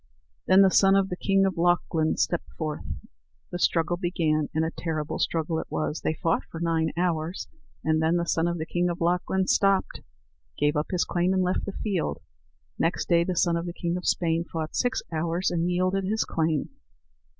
Then the son of the king of Lochlin stepped forth. The struggle began, and a terrible struggle it was. They fought for nine hours; and then the son of the king of Lochlin stopped, gave up his claim, and left the field. Next day the son of the king of Spain fought six hours, and yielded his claim.